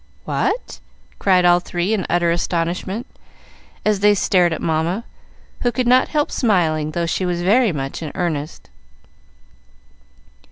"What?" cried all three, in utter astonishment, as they stared at Mamma, who could not help smiling, though she was very much in earnest.